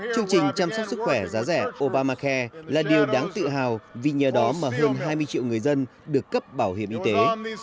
chương trình chăm sóc sức khỏe giá rẻ obamacare là điều đáng tự hào vì nhờ đó mà hơn hai mươi triệu người dân được cấp bảo hiểm y tế